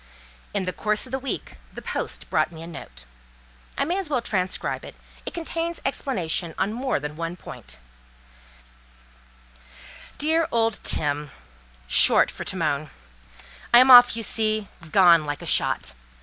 In the course of the week, the post brought me a note. I may as well transcribe it; it contains explanation on more than one point:— 'DEAR OLD TIM "(short for Timon),—" I am off you see—gone like a shot.